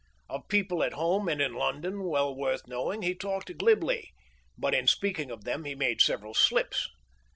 Of people at home and in London well worth knowing he talked glibly, but in speaking of them he made several slips.